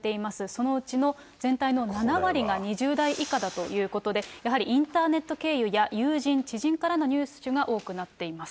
そのうちの全体の７割が２０代以下だということで、やはりインターネット経由や友人、知人からの入手が多くなっています。